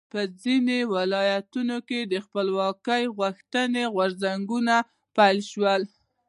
په ختیځو ولایاتو کې د خپلواکۍ غوښتنې غورځنګونو پیل شو.